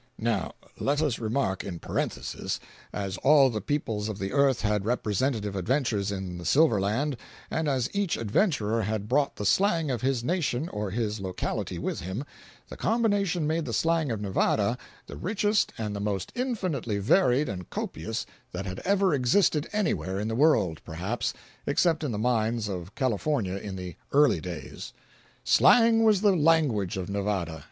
Now—let us remark in parenthesis—as all the peoples of the earth had representative adventurers in the Silverland, and as each adventurer had brought the slang of his nation or his locality with him, the combination made the slang of Nevada the richest and the most infinitely varied and copious that had ever existed anywhere in the world, perhaps, except in the mines of California in the "early days." Slang was the language of Nevada.